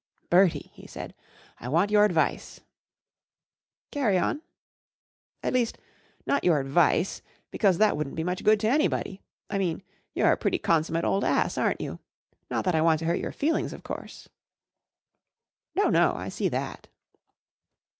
41 Bertie/' he said, " 1 want your advice .' 1 tl Carry on/' 41 At least, not your advice, because that wouldn't be much good to anybody, 1 mean you're a pretty consummate old ass, aren't you ? Not that I want to hurt your feelings, of course/' " No, no, I see that."